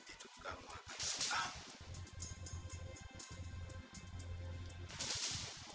itu kamu akan senang